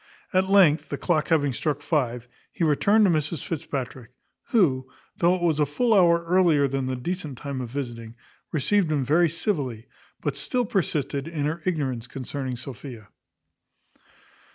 At length, the clock having struck five, he returned to Mrs Fitzpatrick, who, though it was a full hour earlier than the decent time of visiting, received him very civilly; but still persisted in her ignorance concerning Sophia.